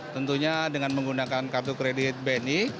tentunya dengan menggunakan kartu kredit bni